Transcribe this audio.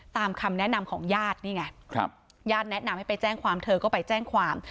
คำแนะนำของญาตินี่ไงญาติแนะนำให้ไปแจ้งความเธอก็ไปแจ้งความ